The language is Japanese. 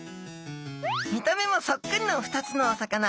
見た目もそっくりの２つのお魚。